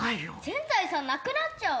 全財産なくなっちゃう。